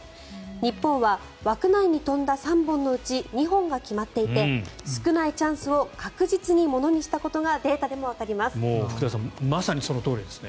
日本は枠内に飛んだ３本のうち２本が決まっていて少ないチャンスを確実にものにしたことがデータでもわかります。